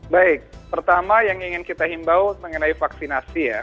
baik pertama yang ingin kita himbau mengenai vaksinasi ya